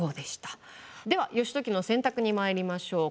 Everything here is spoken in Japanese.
では義時の選択にまいりましょう。